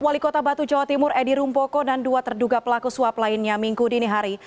wali kota batu jawa timur edi rumpoko dan dua terduga pelaku suap lainnya minggu dini hari